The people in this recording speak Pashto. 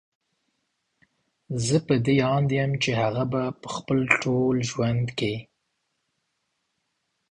زه په دې اند يم چې هغه به په خپل ټول ژوند کې